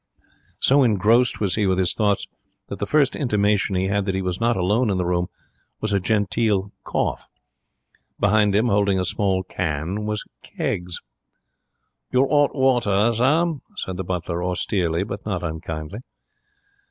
So engrossed was he with his thoughts that the first intimation he had that he was not alone in the room was a genteel cough. Behind him, holding a small can, was Keggs. 'Your 'ot water, sir,' said the butler, austerely but not unkindly.